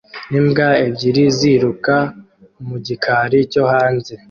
Imbwa ebyiri ziruka mu gikari cyo hanze